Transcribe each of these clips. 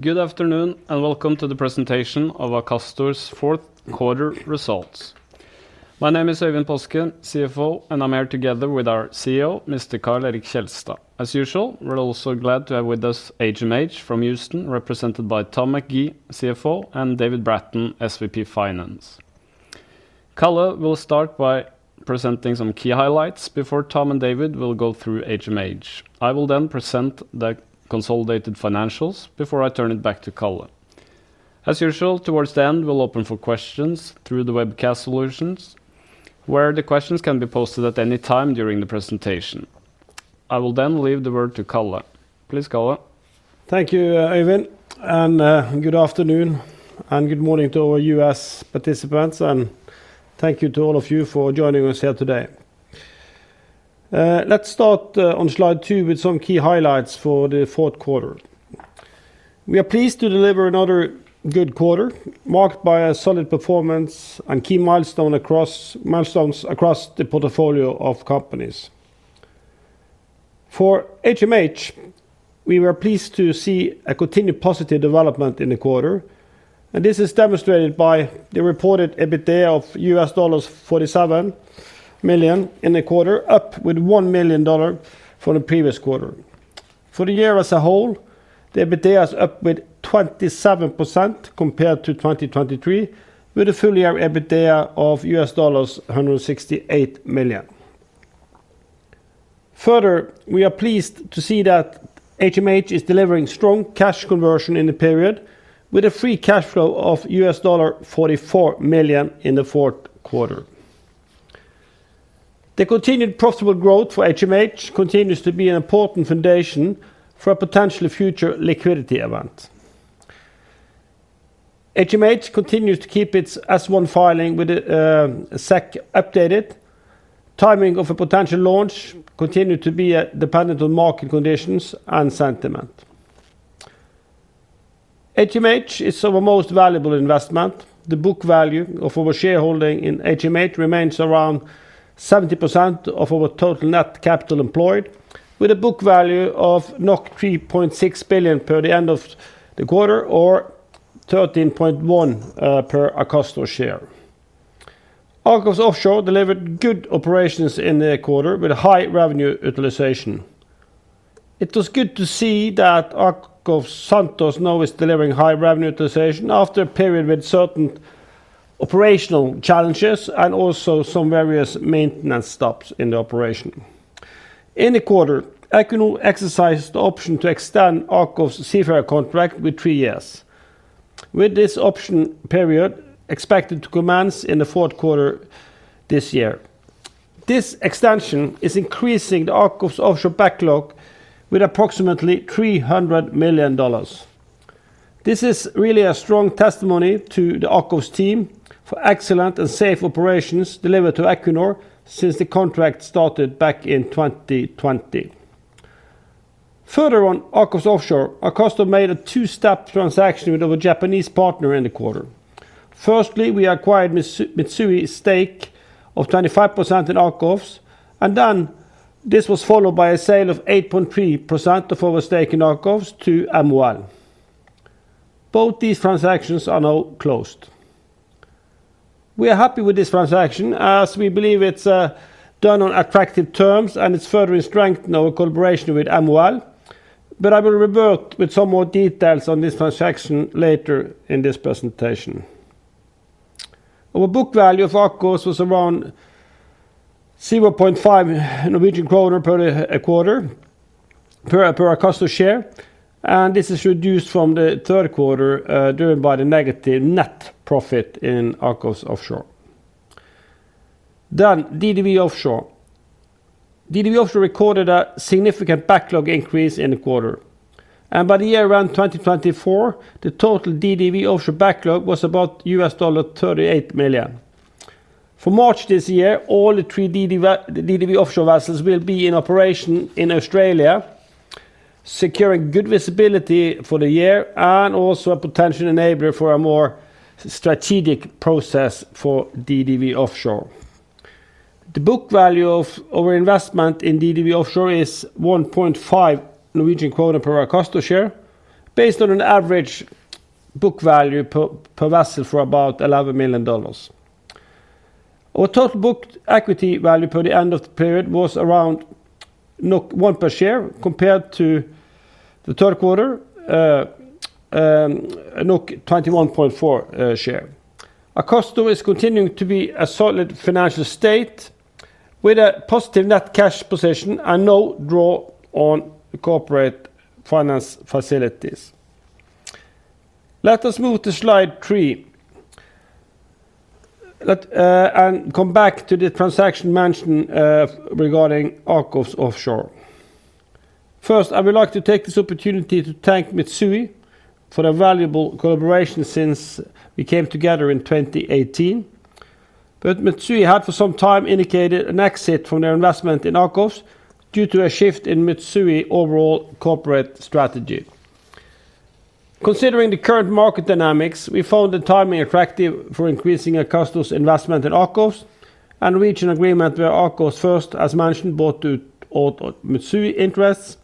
Good afternoon, and welcome to the presentation of Akastor's fourth quarter results. My name is Øyvind Paaske, CFO, and I'm here together with our CEO, Mr. Karl Erik Kjelstad. As usual, we're also glad to have with us HMH from Houston, represented by Tom McGee, CFO, and David Bratton, SVP Finance. Karl will start by presenting some key highlights before Tom and David will go through HMH. I will then present the consolidated financials before I turn it back to Karl. As usual, towards the end, we'll open for questions through the webcast solutions, where the questions can be posted at any time during the presentation. I will then leave the word to Karl. Please, Karl. Thank you, Øyvind, and good afternoon, and good morning to all U.S. participants, and thank you to all of you for joining us here today. Let's start on slide two with some key highlights for the fourth quarter. We are pleased to deliver another good quarter marked by a solid performance and key milestones across the portfolio of companies. For HMH, we were pleased to see a continued positive development in the quarter, and this is demonstrated by the reported EBITDA of $47 million in the quarter, up $1 million from the previous quarter. For the year as a whole, the EBITDA is up 27% compared to 2023, with a full year EBITDA of $168 million. Further, we are pleased to see that HMH is delivering strong cash conversion in the period, with a free cash flow of $44 million in the fourth quarter. The continued profitable growth for HMH continues to be an important foundation for a potentially future liquidity event. HMH continues to keep its S-1 filing with SEC updated. Timing of a potential launch continues to be dependent on market conditions and sentiment. HMH is our most valuable investment. The book value of our shareholding in HMH remains around 70% of our total net capital employed, with a book value of 3.6 billion per the end of the quarter, or 13.1 per Akastor share. AKOFS Offshore delivered good operations in the quarter, with a high revenue utilization. It was good to see that AKOFS Santos now is delivering high revenue utilization after a period with certain operational challenges and also some various maintenance stops in the operation. In the quarter, Equinor exercised the option to extend AKOFS Seafarer contract with three years, with this option period expected to commence in the fourth quarter this year. This extension is increasing AKOFS Offshore backlog with approximately $300 million. This is really a strong testimony to the AKOFS team for excellent and safe operations delivered to Equinor since the contract started back in 2020. Further on, AKOFS Offshore, Akastor made a two-step transaction with our Japanese partner in the quarter. Firstly, we acquired Mitsui's stake of 25% in AKOFS, and then this was followed by a sale of 8.3% of our stake in AKOFS to MOL. Both these transactions are now closed. We are happy with this transaction as we believe it's done on attractive terms and it's furthering strength in our collaboration with MOL, but I will revert with some more details on this transaction later in this presentation. Our book value of AKOFS was around 0.5 Norwegian kroner per quarter per Akastor share, and this is reduced from the third quarter driven by the negative net profit in AKOFS Offshore. Then, DDW Offshore. DDW Offshore recorded a significant backlog increase in the quarter, and by the year around 2024, the total DDW Offshore backlog was about $38 million. For March this year, all the three DDW Offshore vessels will be in operation in Australia, securing good visibility for the year and also a potential enabler for a more strategic process for DDW Offshore. The book value of our investment in DDW Offshore is 1.5 Norwegian kroner per Akastor share, based on an average book value per vessel for about $11 million. Our total book equity value per the end of the period was around 1 per share compared to the third quarter, 21.4 per share. Akastor is continuing to be a solid financial state with a positive net cash position and no draw on corporate finance facilities. Let us move to slide three and come back to the transaction mentioned regarding AKOFS Offshore. First, I would like to take this opportunity to thank Mitsui for a valuable collaboration since we came together in 2018, but Mitsui had for some time indicated an exit from their investment in AKOFS due to a shift in Mitsui's overall corporate strategy. Considering the current market dynamics, we found the timing attractive for increasing Akastor's investment in AKOFS and reached an agreement where AKOFS, first, as mentioned, bought out all Mitsui interests.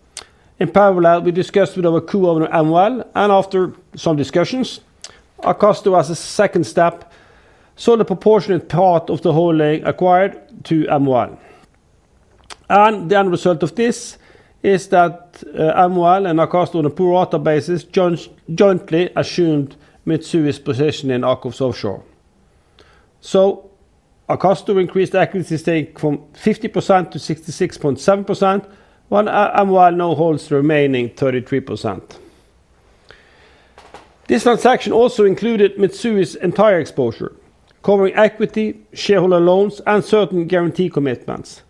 In parallel, we discussed with our co-owner, MOL, and after some discussions, Akastor, as a second step, sold a proportionate part of the whole lately acquired to MOL. And the end result of this is that MOL and Akastor, on a pro-rata basis, jointly assumed Mitsui's position in AKOFS Offshore. So, Akastor increased equity stake from 50% to 66.7%, while MOL now holds the remaining 33%. This transaction also included Mitsui's entire exposure, covering equity, shareholder loans, and certain guarantee commitments.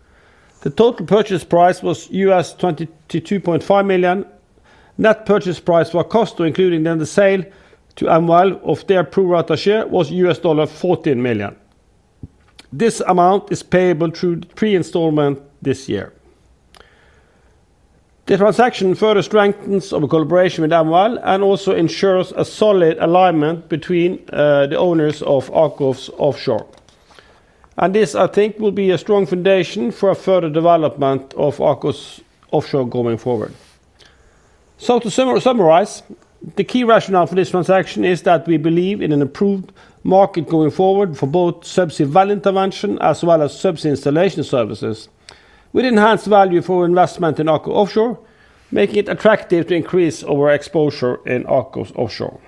The total purchase price was $22.5 million. Net purchase price for Akastor, including then the sale to MOL of their pro-rata share, was $14 million. This amount is payable through pre-installment this year. The transaction further strengthens our collaboration with MOL and also ensures a solid alignment between the owners of AKOFS Offshore. This, I think, will be a strong foundation for a further development of AKOFS Offshore going forward. To summarize, the key rationale for this transaction is that we believe in an improved market going forward for both subsea well intervention as well as subsea installation services with enhanced value for investment in AKOFS Offshore, making it attractive to increase our exposure in AKOFS Offshore.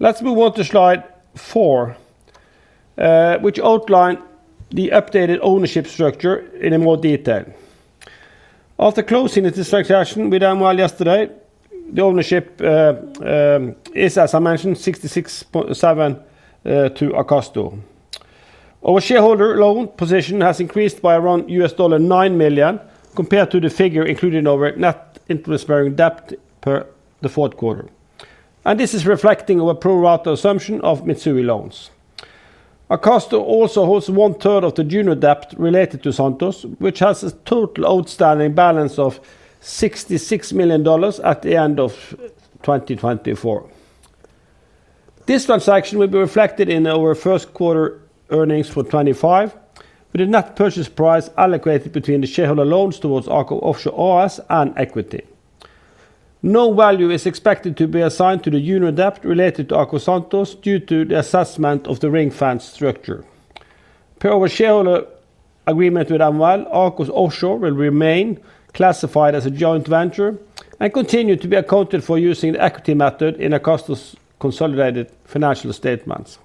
Let's move on to Slide 4, which outlines the updated ownership structure in more detail. After closing this transaction with MOL yesterday, the ownership is, as I mentioned, 66.7% to Akastor. Our shareholder loan position has increased by around $9 million compared to the figure included in our net interest-bearing debt per the fourth quarter, and this is reflecting our pro-rata assumption of Mitsui loans. Akastor also holds one-third of the junior debt related to AKOFS Santos, which has a total outstanding balance of $66 million at the end of 2024. This transaction will be reflected in our first quarter earnings for 2025, with a net purchase price allocated between the shareholder loans towards AKOFS Offshore and equity. No value is expected to be assigned to the junior debt related to AKOFS Santos due to the assessment of the ring-fenced structure. Per our shareholder agreement with MOL, AKOFS Offshore will remain classified as a joint venture and continue to be accounted for using the equity method in Akastor's consolidated financial statements.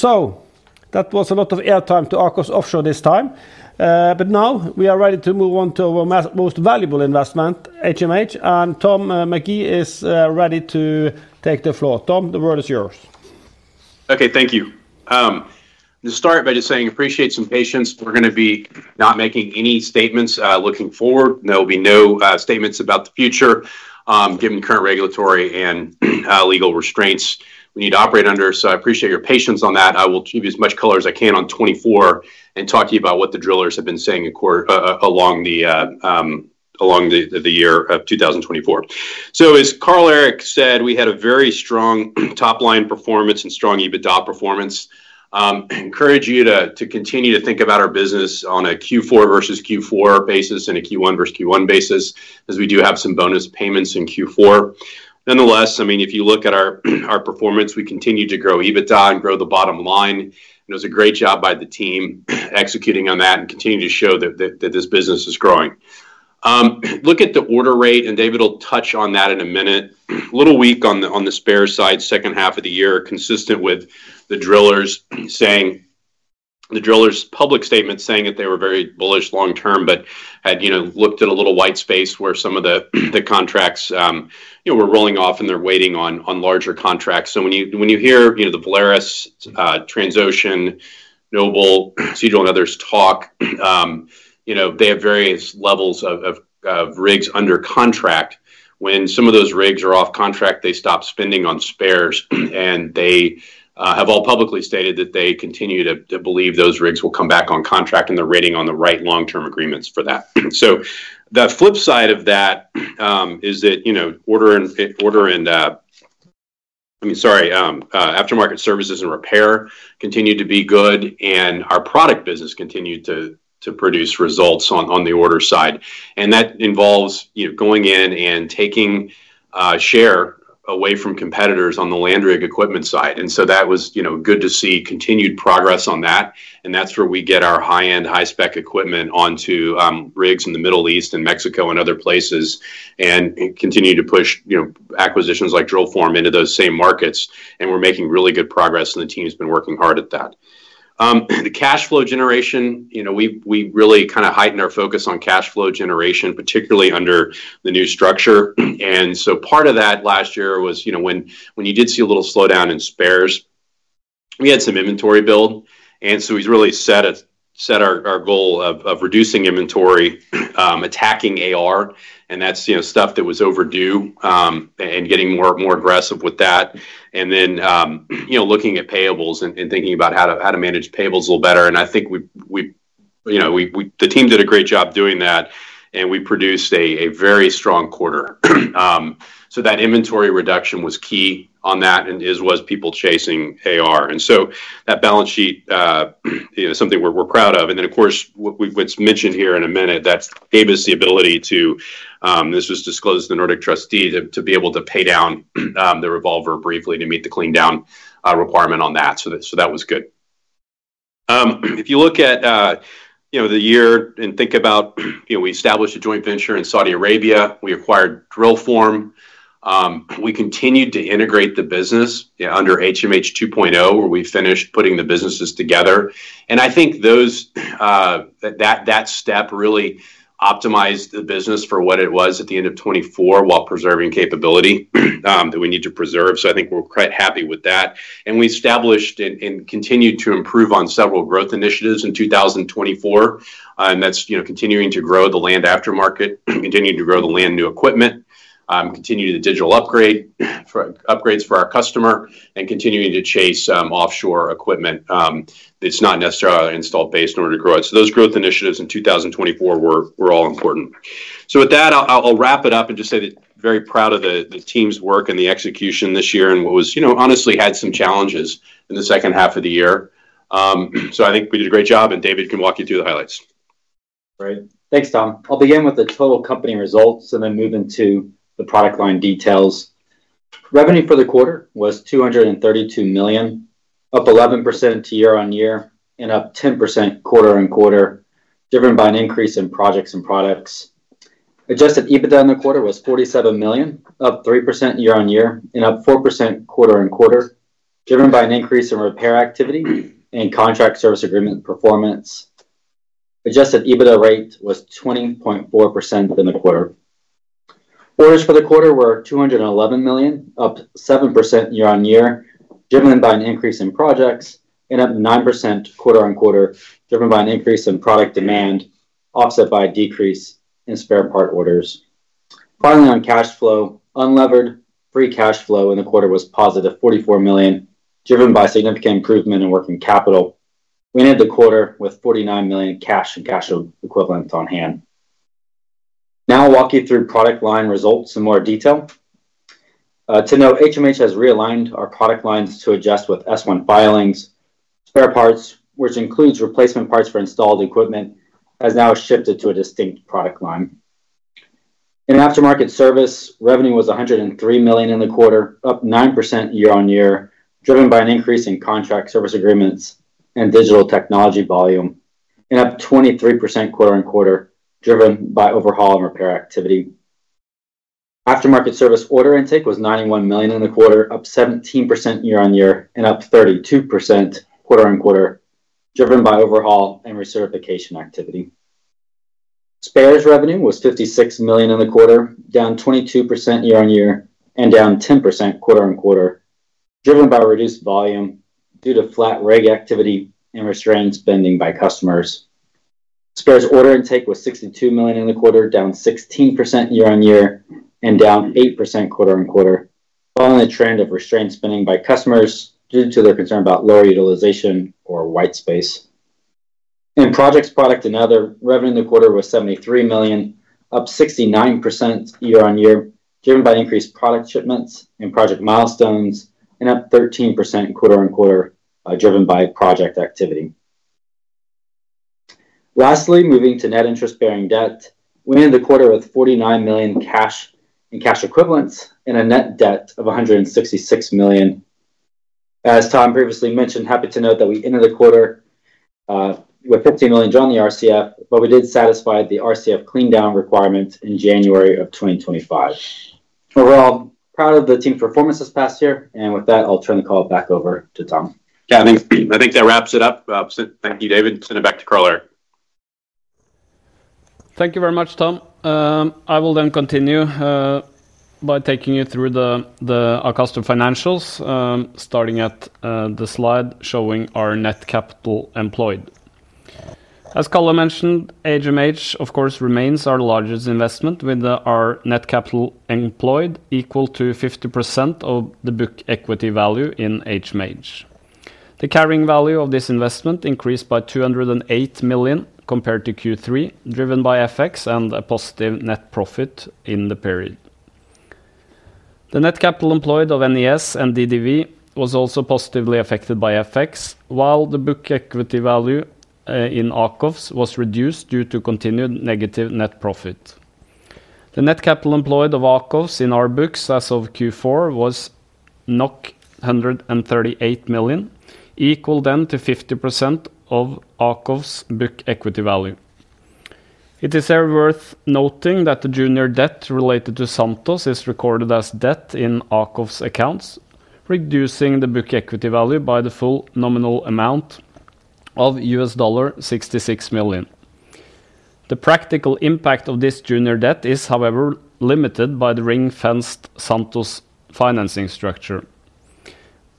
That was a lot of airtime to AKOFS Offshore this time, but now we are ready to move on to our most valuable investment, HMH, and Tom McGee is ready to take the floor. Tom, the word is yours. Okay, thank you. I'll just start by just saying I appreciate some patience. We're going to be not making any statements looking forward. There will be no statements about the future given current regulatory and legal restraints we need to operate under, so I appreciate your patience on that. I will give you as much color as I can on '24 and talk to you about what the drillers have been saying along the year of 2024. So, as Karl Erik said, we had a very strong top-line performance and strong EBITDA performance. I encourage you to continue to think about our business on a Q4 versus Q4 basis and a Q1 versus Q1 basis as we do have some bonus payments in Q4. Nonetheless, I mean, if you look at our performance, we continue to grow EBITDA and grow the bottom line, and it was a great job by the team executing on that and continuing to show that this business is growing. Look at the order rate, and David will touch on that in a minute. A little weak on the spares side, second half of the year, consistent with the drillers' public statement saying that they were very bullish long-term, but had looked at a little white space where some of the contracts were rolling off and they're waiting on larger contracts. So, when you hear the Valaris, Transocean, Noble, Seadrill, and others talk, they have various levels of rigs under contract. When some of those rigs are off contract, they stop spending on spares, and they have all publicly stated that they continue to believe those rigs will come back on contract and they're waiting on the right long-term agreements for that, so the flip side of that is that order and, I mean, sorry, aftermarket services and repair continue to be good, and our product business continued to produce results on the order side, and that involves going in and taking share away from competitors on the land rig equipment side, and so, that was good to see continued progress on that, and that's where we get our high-end, high-spec equipment onto rigs in the Middle East and Mexico and other places and continue to push acquisitions like Drillform into those same markets, and we're making really good progress, and the team has been working hard at that. The cash flow generation, we really kind of heightened our focus on cash flow generation, particularly under the new structure, and so, part of that last year was when you did see a little slowdown in spares, we had some inventory build, and so we really set our goal of reducing inventory, attacking AR, and that's stuff that was overdue and getting more aggressive with that, and then looking at payables and thinking about how to manage payables a little better, and I think the team did a great job doing that, and we produced a very strong quarter, so, that inventory reduction was key on that, and as was people chasing AR, and so, that balance sheet is something we're proud of. And then, of course, what's mentioned here in a minute, that's David's ability to, and this was disclosed to the Nordic Trustee, to be able to pay down the revolver briefly to meet the clean-down requirement on that. So, that was good. If you look at the year and think about we established a joint venture in Saudi Arabia, we acquired Drillform, we continued to integrate the business under HMH 2.0, where we finished putting the businesses together. And I think that step really optimized the business for what it was at the end of 2024 while preserving capability that we need to preserve. So, I think we're quite happy with that. We established and continued to improve on several growth initiatives in 2024, and that's continuing to grow the land aftermarket, continuing to grow the land new equipment, continuing to digital upgrade for our customer, and continuing to chase offshore equipment that's not necessarily installed based in order to grow it. Those growth initiatives in 2024 were all important. With that, I'll wrap it up and just say that very proud of the team's work and the execution this year and what was honestly had some challenges in the second half of the year. I think we did a great job, and David can walk you through the highlights. Great. Thanks, Tom. I'll begin with the total company results and then move into the product line details. Revenue for the quarter was $232 million, up 11% year on year and up 10% quarter on quarter, driven by an increase in projects and products. Adjusted EBITDA in the quarter was $47 million, up 3% year on year and up 4% quarter on quarter, driven by an increase in repair activity and contract service agreement performance. Adjusted EBITDA rate was 20.4% in the quarter. Orders for the quarter were $211 million, up 7% year on year, driven by an increase in projects and up 9% quarter on quarter, driven by an increase in product demand offset by a decrease in spare part orders. Finally, on cash flow, unlevered free cash flow in the quarter was positive $44 million, driven by significant improvement in working capital. We ended the quarter with $49 million cash and cash equivalents on hand. Now, I'll walk you through product line results in more detail. To note, HMH has realigned our product lines to adjust with S-1 filings. Spare parts, which includes replacement parts for installed equipment, has now shifted to a distinct product line. In aftermarket service, revenue was $103 million in the quarter, up 9% year on year, driven by an increase in contract service agreements and digital technology volume, and up 23% quarter on quarter, driven by overhaul and repair activity. Aftermarket service order intake was $91 million in the quarter, up 17% year on year, and up 32% quarter on quarter, driven by overhaul and recertification activity. Spares revenue was $56 million in the quarter, down 22% year on year and down 10% quarter on quarter, driven by reduced volume due to flat rig activity and restrained spending by customers. Spares order intake was $62 million in the quarter, down 16% year on year and down 8% quarter on quarter, following a trend of restrained spending by customers due to their concern about lower utilization or white space. In projects, product, and other, revenue in the quarter was $73 million, up 69% year on year, driven by increased product shipments and project milestones, and up 13% quarter on quarter, driven by project activity. Lastly, moving to net interest-bearing debt, we ended the quarter with $49 million cash and cash equivalents and a net debt of $166 million. As Tom previously mentioned, happy to note that we ended the quarter with $15 million drawn on the RCF, but we did satisfy the RCF clean-down requirement in January of 2025. Overall, proud of the team's performance this past year, and with that, I'll turn the call back over to Tom. Yeah, I think that wraps it up. Thank you, David. Send it back to Paaske. Thank you very much, Tom. I will then continue by taking you through the Akastor financials, starting at the slide showing our net capital employed. As Karl mentioned, HMH, of course, remains our largest investment with our net capital employed equal to 50% of the book equity value in HMH. The carrying value of this investment increased by $208 million compared to Q3, driven by FX and a positive net profit in the period. The net capital employed of NES and DDW was also positively affected by FX, while the book equity value in AKOFS was reduced due to continued negative net profit. The net capital employed of AKOFS in our books as of Q4 was 138 million, equal then to 50% of AKOFS book equity value. It is worth noting that the junior debt related to Santos is recorded as debt in AKOFS accounts, reducing the book equity value by the full nominal amount of $66 million. The practical impact of this junior debt is, however, limited by the ring-fenced Santos financing structure,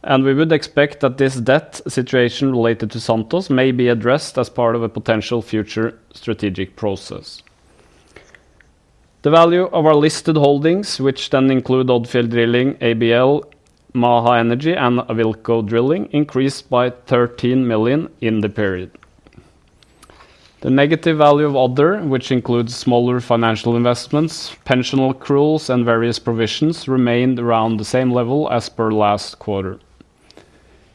and we would expect that this debt situation related to Santos may be addressed as part of a potential future strategic process. The value of our listed holdings, which then include Odfjell Drilling, ABL, Maha Energy, and Awilco Drilling, increased by $13 million in the period. The negative value of other, which includes smaller financial investments, pension accruals, and various provisions, remained around the same level as per last quarter.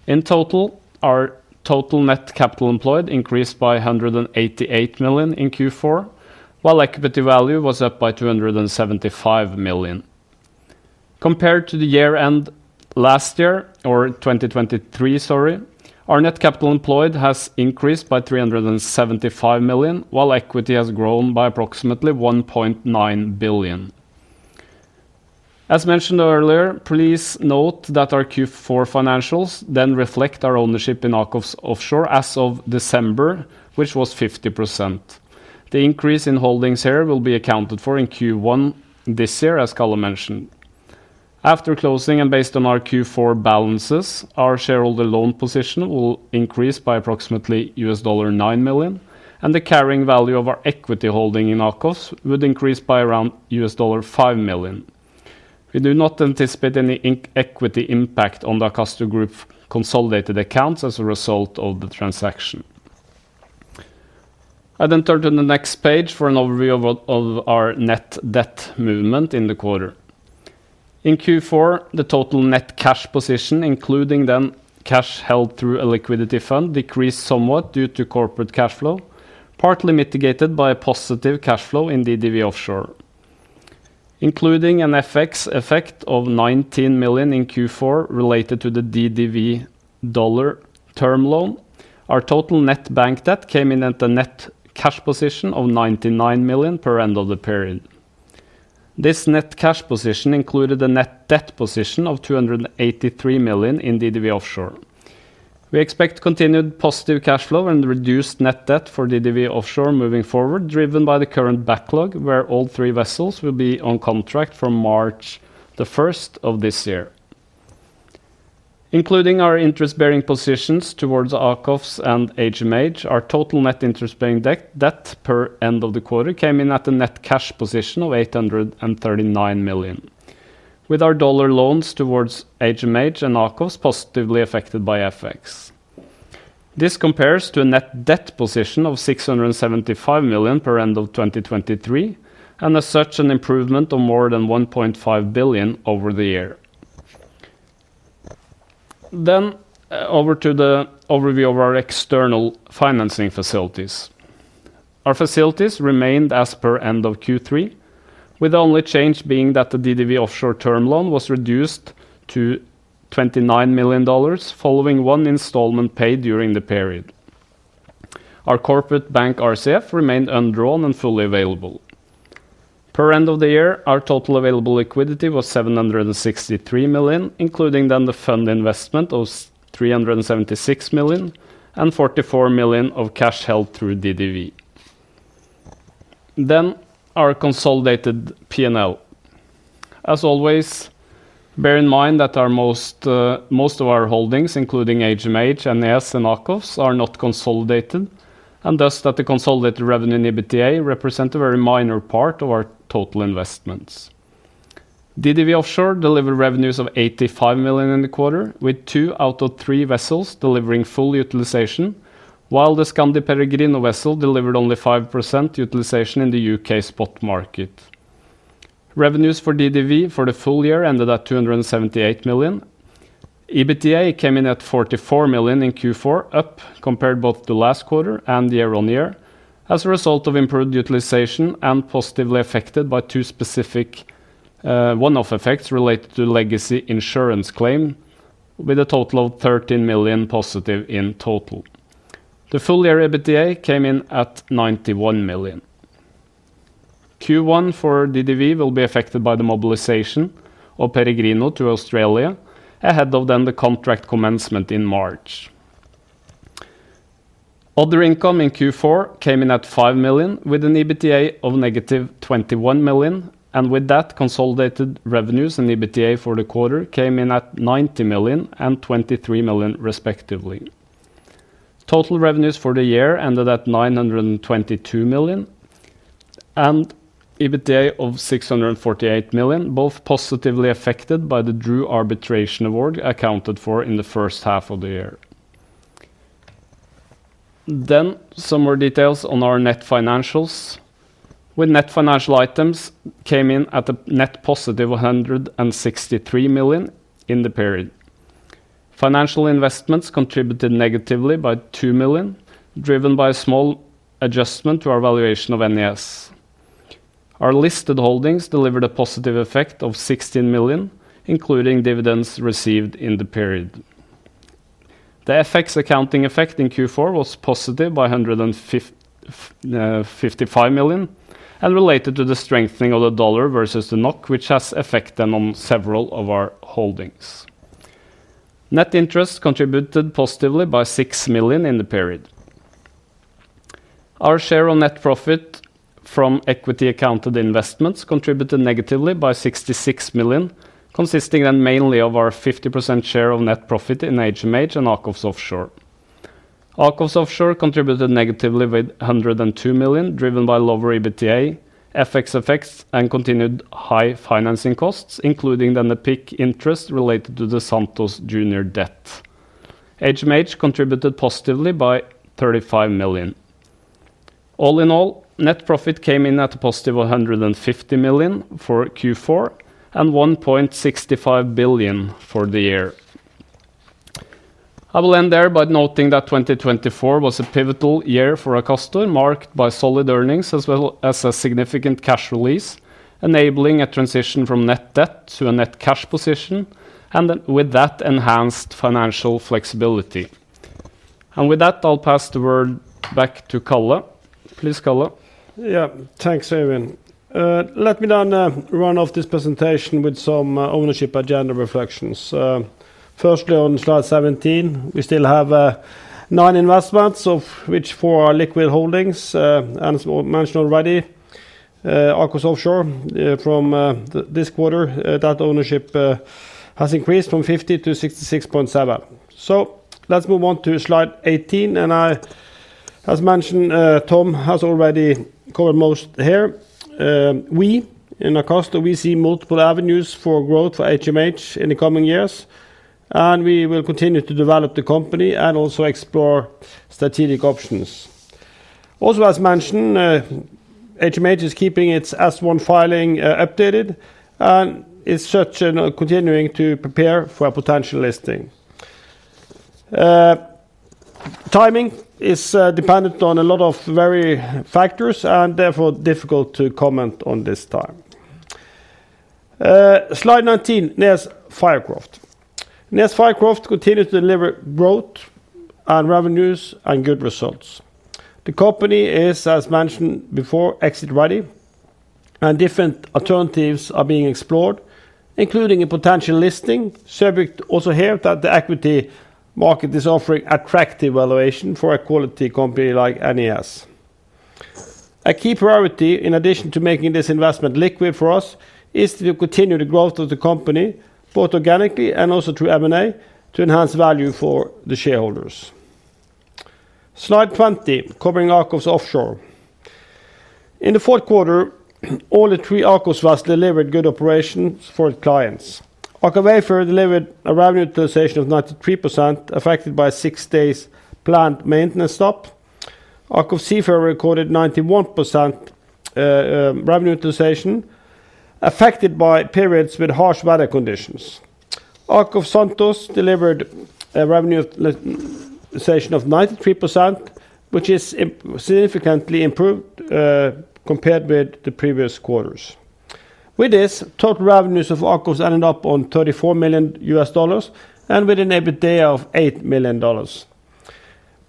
In total, our total net capital employed increased by $188 million in Q4, while equity value was up by $275 million. Compared to the year-end last year, or 2023, sorry, our net capital employed has increased by $375 million, while equity has grown by approximately $1.9 billion. As mentioned earlier, please note that our Q4 financials then reflect our ownership in AKOFS Offshore as of December, which was 50%. The increase in holdings here will be accounted for in Q1 this year, as Karl mentioned. After closing and based on our Q4 balances, our shareholder loan position will increase by approximately $9 million, and the carrying value of our equity holding in AKOFS would increase by around $5 million. We do not anticipate any equity impact on the Akastor Group consolidated accounts as a result of the transaction. I then turn to the next page for an overview of our net debt movement in the quarter. In Q4, the total net cash position, including the cash held through a liquidity fund, decreased somewhat due to corporate cash flow, partly mitigated by a positive cash flow in DDW Offshore. Including an FX effect of $19 million in Q4 related to the DDW dollar term loan, our total net bank debt came in at a net cash position of $99 million at end of the period. This net cash position included a net debt position of $283 million in DDW Offshore. We expect continued positive cash flow and reduced net debt for DDW Offshore moving forward, driven by the current backlog where all three vessels will be on contract from March the 1st of this year. Including our interest-bearing positions towards AKOFS and HMH, our total net interest-bearing debt per end of the quarter came in at a net cash position of $839 million, with our dollar loans towards HMH and AKOFS positively affected by FX. This compares to a net debt position of $675 million per end of 2023 and a surge and improvement of more than $1.5 billion over the year. Over to the overview of our external financing facilities. Our facilities remained as per end of Q3, with the only change being that the DDW Offshore term loan was reduced to $29 million following one installment paid during the period. Our corporate bank RCF remained undrawn and fully available. Per end of the year, our total available liquidity was $763 million, including then the fund investment of $376 million and $44 million of cash held through DDW. Our consolidated P&L. As always, bear in mind that most of our holdings, including HMH, NES, and AKOFS, are not consolidated, and thus that the consolidated revenue in EBITDA represents a very minor part of our total investments. DDW Offshore delivered revenues of $85 million in the quarter, with two out of three vessels delivering full utilization, while the Skandi Peregrino vessel delivered only 5% utilization in the UK spot market. Revenues for DDW for the full year ended at $278 million. EBITDA came in at $44 million in Q4, up compared both the last quarter and year on year, as a result of improved utilization and positively affected by two specific one-off effects related to legacy insurance claim, with a total of $13 million positive in total. The full year EBITDA came in at $91 million. Q1 for DDW will be affected by the mobilization of Skandi Peregrino to Australia ahead of then the contract commencement in March. Other income in Q4 came in at $5 million, with an EBITDA of negative $21 million, and with that, consolidated revenues and EBITDA for the quarter came in at $90 million and $23 million, respectively. Total revenues for the year ended at $922 million and EBITDA of $648 million, both positively affected by the DRU Arbitration Award accounted for in the first half of the year. Then, some more details on our net financials. With net financial items came in at a net positive of $163 million in the period. Financial investments contributed negatively by $2 million, driven by a small adjustment to our valuation of NES. Our listed holdings delivered a positive effect of $16 million, including dividends received in the period. The FX accounting effect in Q4 was positive by $155 million and related to the strengthening of the dollar versus the NOK, which has affected on several of our holdings. Net interest contributed positively by $6 million in the period. Our share of net profit from equity accounted investments contributed negatively by $66 million, consisting then mainly of our 50% share of net profit in HMH and AKOFS Offshore. AKOFS Offshore contributed negatively with $102 million, driven by lower EBITDA, FX effects, and continued high financing costs, including then the peak interest related to the Santos junior debt. HMH contributed positively by $35 million. All in all, net profit came in at a positive of $150 million for Q4 and $1.65 billion for the year. I will end there by noting that 2024 was a pivotal year for Akastor, marked by solid earnings as well as a significant cash release, enabling a transition from net debt to a net cash position, and with that, enhanced financial flexibility. And with that, I'll pass the word back to Karl. Please, Karl. Yeah, thanks, Øyvind. Let me then run off this presentation with some ownership agenda reflections. Firstly, on Slide 17, we still have nine investments, of which four are liquid holdings. As mentioned already, AKOFS Offshore from this quarter, that ownership has increased from 50 to 66.7. Let's move on to Slide 18. As mentioned, Tom has already covered most here. We, in Akastor, we see multiple avenues for growth for HMH in the coming years, and we will continue to develop the company and also explore strategic options. Also, as mentioned, HMH is keeping its S-1 filing updated and is thus continuing to prepare for a potential listing. Timing is dependent on a lot of various factors and therefore difficult to comment on this time. Slide 19, NES Fircroft. NES Fircroft continues to deliver growth and revenues and good results. The company is, as mentioned before, exit ready, and different alternatives are being explored, including a potential listing, subject also here that the equity market is offering attractive valuation for a quality company like NES. A key priority, in addition to making this investment liquid for us, is to continue the growth of the company, both organically and also through M&A, to enhance value for the shareholders. Slide 20, covering AKOFS Offshore. In the fourth quarter, all the three AKOFS vessels delivered good operations for the clients. Aker Wayfarer delivered a revenue utilization of 93%, affected by six days planned maintenance stop. AKOFS Seafarer recorded 91% revenue utilization, affected by periods with harsh weather conditions. AKOFS Santos delivered a revenue utilization of 93%, which is significantly improved compared with the previous quarters. With this, total revenues of AKOFS ended up at $34 million and with an EBITDA of $8 million.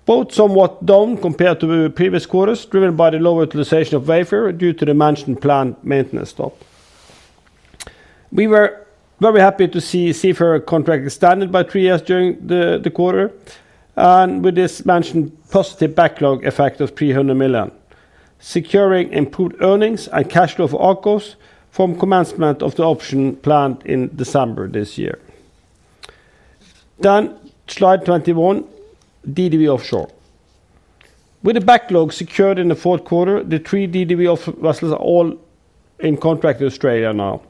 Both somewhat down compared to the previous quarters, driven by the lower utilization of Wayfarer due to the mentioned planned maintenance stop. We were very happy to see Seafarer contracted standard by three years during the quarter, and with this mentioned positive backlog effect of $300 million, securing improved earnings and cash flow for AKOFS from commencement of the option planned in December this year. Then, Slide 21, DDW Offshore. With the backlog secured in the fourth quarter, the three DDW vessels are all in contract in Australia now.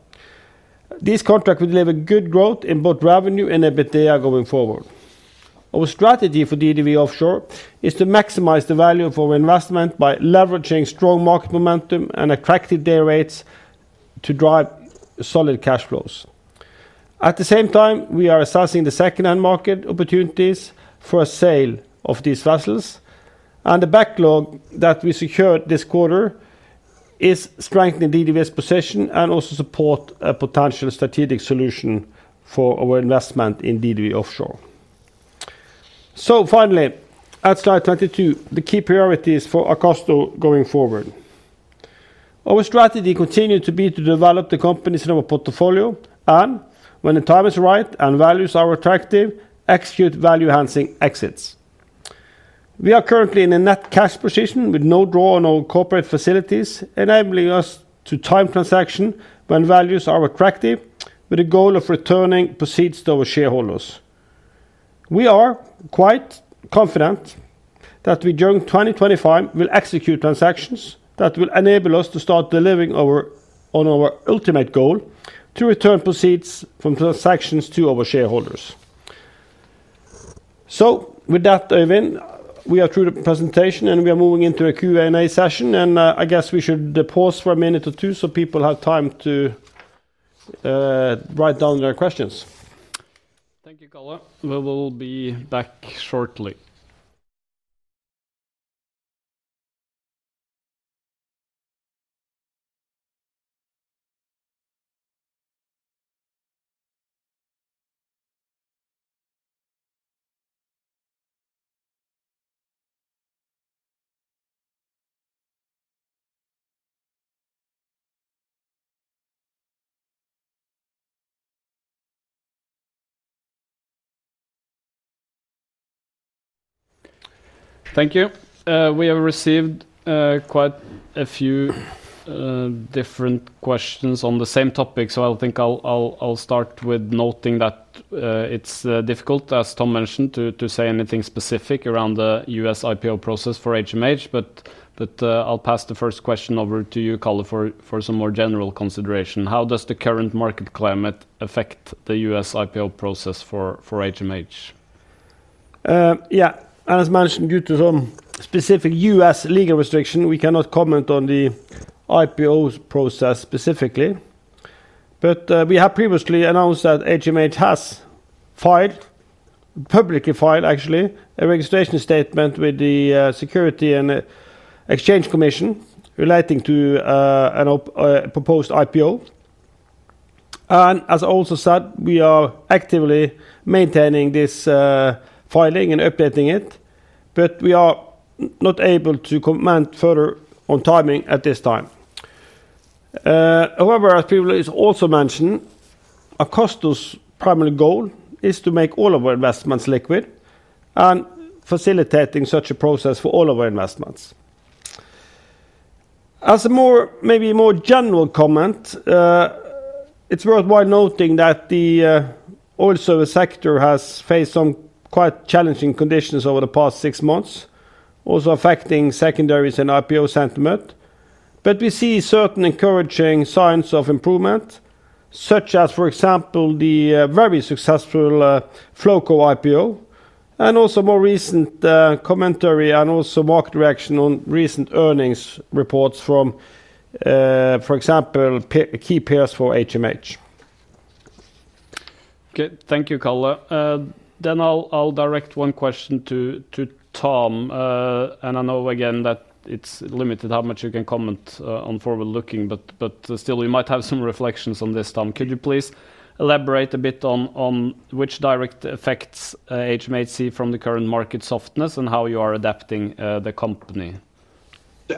These contracts will deliver good growth in both revenue and EBITDA going forward. Our strategy for DDW Offshore is to maximize the value of our investment by leveraging strong market momentum and attractive day rates to drive solid cash flows. At the same time, we are assessing the second-hand market opportunities for a sale of these vessels, and the backlog that we secured this quarter is strengthening DDW's position and also support a potential strategic solution for our investment in DDW Offshore. So finally, at Slide 22, the key priorities for Akastor going forward. Our strategy continues to be to develop the companies in our portfolio and, when the time is right and values are attractive, execute value-enhancing exits. We are currently in a net cash position with no draw on our corporate facilities, enabling us to time transaction when values are attractive, with the goal of returning proceeds to our shareholders. We are quite confident that we during 2025 will execute transactions that will enable us to start delivering on our ultimate goal to return proceeds from transactions to our shareholders. So with that, Øyvind, we are through the presentation and we are moving into a Q&A session, and I guess we should pause for a minute or two so people have time to write down their questions. Thank you, Karl. We will be back shortly. Thank you. We have received quite a few different questions on the same topic, so I think I'll start with noting that it's difficult, as Tom mentioned, to say anything specific around the U.S. IPO process for HMH, but I'll pass the first question over to you, Karl, for some more general consideration. How does the current market climate affect the US IPO process for HMH? Yeah, as mentioned, due to some specific U.S. legal restrictions, we cannot comment on the IPO process specifically, but we have previously announced that HMH has filed, publicly filed actually, a registration statement with the Securities and Exchange Commission relating to a proposed IPO. As I also said, we are actively maintaining this filing and updating it, but we are not able to comment further on timing at this time. However, as previously also mentioned, Akastor's primary goal is to make all of our investments liquid and facilitating such a process for all of our investments. As a more, maybe more general comment, it's worthwhile noting that the oil service sector has faced some quite challenging conditions over the past six months, also affecting secondaries and IPO sentiment, but we see certain encouraging signs of improvement, such as, for example, the very successful Flowco IPO and also more recent commentary and also market reaction on recent earnings reports from, for example, key peers for HMH. Okay, thank you, Karl. Then I'll direct one question to Tom, and I know again that it's limited how much you can comment on forward-looking, but still, we might have some reflections on this, Tom. Could you please elaborate a bit on which direct effects HMH see from the current market softness and how you are adapting the company?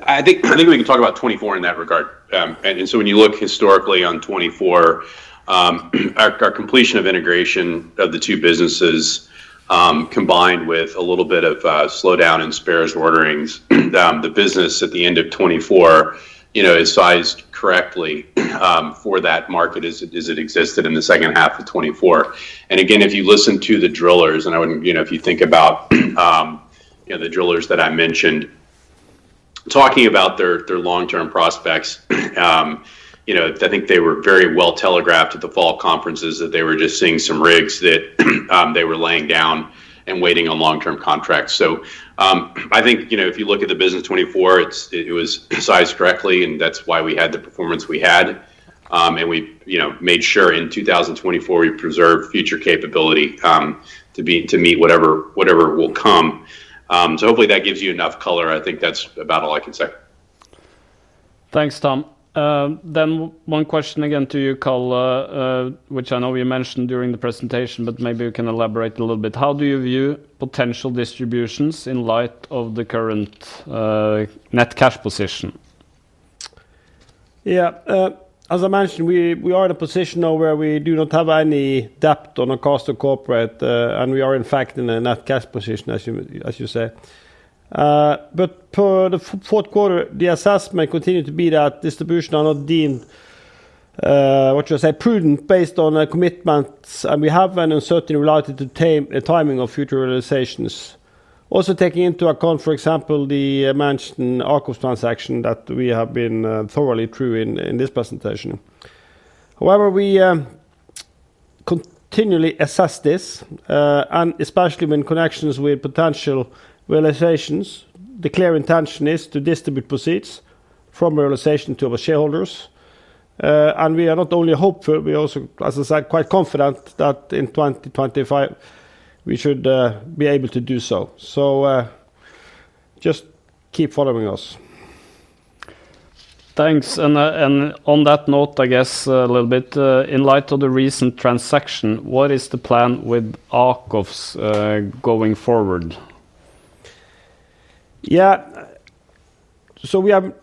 I think we can talk about 2024 in that regard, and so when you look historically on 2024, our completion of integration of the two businesses combined with a little bit of slowdown in spares orderings, the business at the end of 2024 is sized correctly for that market as it existed in the second half of 2024, and again, if you listen to the drillers, and if you think about the drillers that I mentioned, talking about their long-term prospects, I think they were very well telegraphed at the fall conferences that they were just seeing some rigs that they were laying down and waiting on long-term contracts, so I think if you look at the business 2024, it was sized correctly, and that's why we had the performance we had, and we made sure in 2024 we preserved future capability to meet whatever will come. So hopefully that gives you enough color. I think that's about all I can say. Thanks, Tom. Then one question again to you, Karl, which I know you mentioned during the presentation, but maybe you can elaborate a little bit. How do you view potential distributions in light of the current net cash position? Yeah, as I mentioned, we are in a position now where we do not have any debt on Akastor Corporate, and we are in fact in a net cash position, as you say. but for the fourth quarter, the assessment continued to be that distributions are not deemed, what should I say, prudent based on commitments, and we have an uncertain relative timing of future realizations. also taking into account, for example, the mentioned AKOFS transaction that we have been thoroughly through in this presentation. however, we continually assess this, and especially in connection with potential realizations, the clear intention is to distribute proceeds from realization to our shareholders. and we are not only hopeful, we are also, as I said, quite confident that in 2025 we should be able to do so. so just keep following us. Thanks. And on that note, I guess a little bit, in light of the recent transaction, what is the plan with AKOFS going forward? Yeah, so we have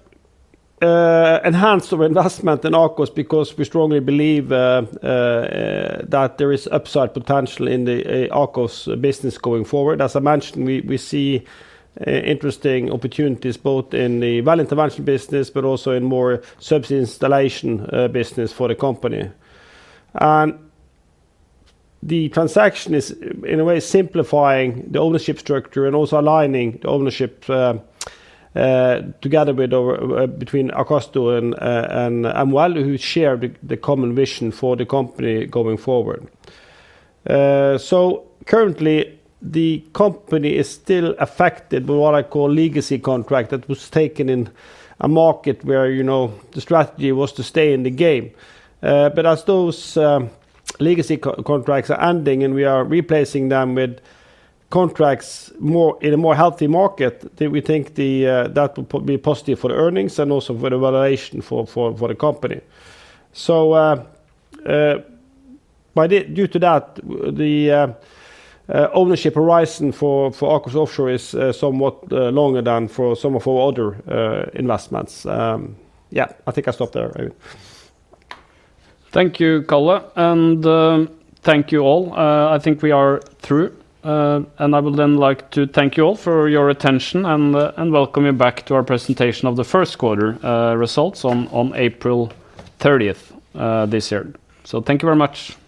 enhanced our investment in AKOFS because we strongly believe that there is upside potential in the AKOFS business going forward. As I mentioned, we see interesting opportunities both in the well intervention business, but also in more subsea installation business for the company. The transaction is, in a way, simplifying the ownership structure and also aligning the ownership together between Akastor and MOL, who share the common vision for the company going forward. Currently, the company is still affected by what I call legacy contract that was taken in a market where the strategy was to stay in the game. Those legacy contracts are ending and we are replacing them with contracts in a more healthy market. We think that will be positive for the earnings and also for the valuation for the company. So due to that, the ownership horizon for AKOFS Offshore is somewhat longer than for some of our other investments. Yeah, I think I'll stop there. Thank you, Karl, and thank you all. I think we are through, and I would then like to thank you all for your attention and welcome you back to our presentation of the first quarter results on April 30th this year. So thank you very much.